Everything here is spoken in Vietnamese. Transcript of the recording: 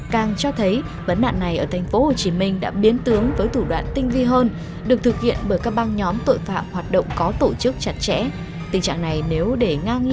càng cho thấy vấn nạn này ở tp hcm đã biến tướng với thủ đô